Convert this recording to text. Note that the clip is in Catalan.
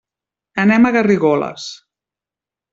Anem a Garrigoles.